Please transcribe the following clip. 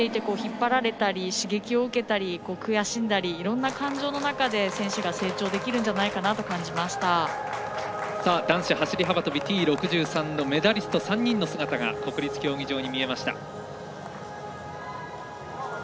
見ていて引っ張られたり刺激を受けたり悔しんだりいろんな状態の中で選手が成長できるんじゃないかと男子走り幅跳びＴ６３のメダリスト３人の姿が国立競技場に見えました。